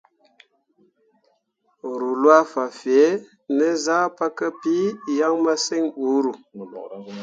Ruu lwaa fan fẽẽ ne zah pǝkǝpii yaŋ masǝŋ buuru.